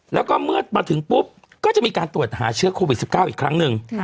แล้วก็เมื่อมาถึงปุ๊บก็จะมีการตรวจหาเชื้อโควิด๑๙อีกครั้งหนึ่ง